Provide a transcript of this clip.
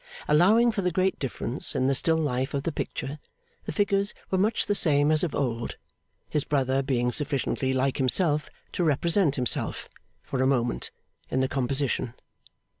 Allowing for the great difference in the still life of the picture, the figures were much the same as of old; his brother being sufficiently like himself to represent himself, for a moment, in the composition.